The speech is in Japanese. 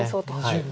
はい。